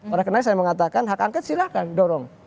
oleh karena saya mengatakan hak angket silahkan dorong